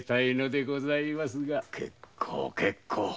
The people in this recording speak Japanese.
結構結構。